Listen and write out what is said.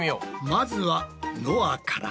まずはのあから。